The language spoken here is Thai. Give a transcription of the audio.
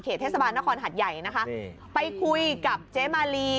เทศบาลนครหัดใหญ่นะคะไปคุยกับเจ๊มาลี